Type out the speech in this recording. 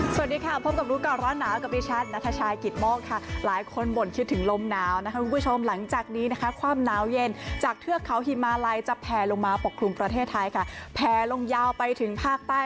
สวัสดีค่ะพบกับรู้ก่อนร้อนหนาวกับดิฉันนัทชายกิตโมกค่ะหลายคนบ่นคิดถึงลมหนาวนะคะคุณผู้ชมหลังจากนี้นะคะความหนาวเย็นจากเทือกเขาฮิมาลัยจะแผลลงมาปกคลุมประเทศไทยค่ะแผลลงยาวไปถึงภาคใต้